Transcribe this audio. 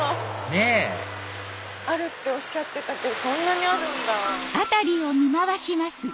ねぇあるっておっしゃってたけどそんなにあるんだ。